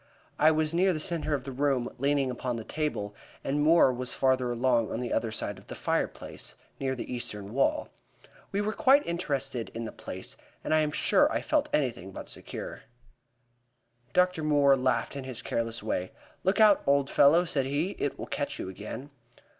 I was near the centre of the room, leaning upon the table, and Moore was farther along on the other side of the fireplace, near the eastern wall. We were quite interested in the place, and I am sure I felt anything but secure. Dr. Moore laughed in his careless way. "Look out, old fellow," said he, "it will catch you again."